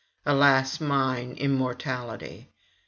Alas mine immortality!